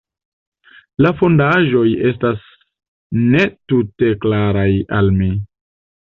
La fondaĵoj estas ne tute klaraj al mi.